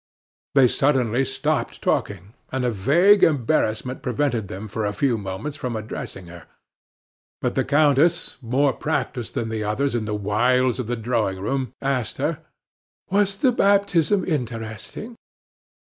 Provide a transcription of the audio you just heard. They suddenly stopped talking, and a vague embarrassment prevented them for a few moments from addressing her. But the countess, more practiced than the others in the wiles of the drawing room, asked her: "Was the baptism interesting?"